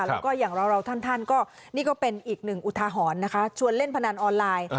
แล้วก็อย่างเราท่านก็นี่ก็เป็นอีกหนึ่งอุทาหรณ์นะคะชวนเล่นพนันออนไลน์